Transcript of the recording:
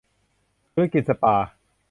ธุรกิจสปา